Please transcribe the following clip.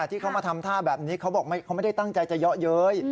ที่เขามาทำท่าแบบนี้เขาบอกเขาไม่ได้ตั้งใจจะเยาะเย้ย